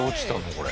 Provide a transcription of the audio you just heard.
これ。